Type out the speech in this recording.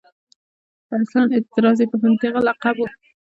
اصلاً اعتراض یې په همدغه لقب و.